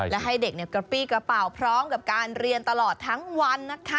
และให้เด็กกระปี้กระเป๋าพร้อมกับการเรียนตลอดทั้งวันนะคะ